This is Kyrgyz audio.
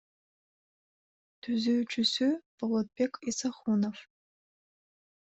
Түзүүчүсү — Болотбек Исахунов.